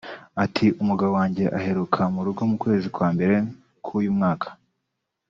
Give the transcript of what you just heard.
Ati "Umugabo wanjye aheruka mu rugo mu kwezi kwa mbere k’uyu mwaka